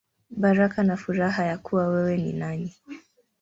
Baraka na Furaha Ya Kuwa Wewe Ni Nani.